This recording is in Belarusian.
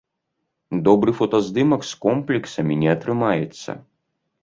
Добры фотаздымак з комплексамі не атрымаецца.